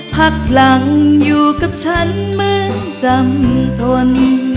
พักหลังอยู่กับฉันเหมือนจำทน